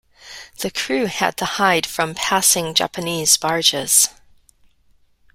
The crew had to hide from passing Japanese barges.